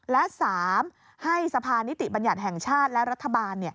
และ๓ให้สภานิติบัญญัติแห่งชาติและรัฐบาล